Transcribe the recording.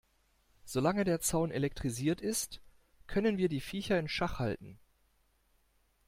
Solange der Zaun elektrisiert ist, können wir die Viecher in Schach halten.